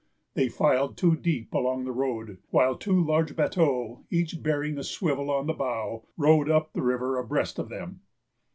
They filed two deep along the road, while two large bateaux, each bearing a swivel on the bow, rowed up the river abreast of them.